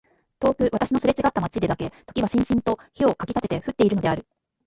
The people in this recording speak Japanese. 遠く私のすれちがった街でだけ時はしんしんと火をかきたてて降っているのである。